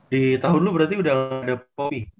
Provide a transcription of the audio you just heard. di tahun dulu berarti udah ada popme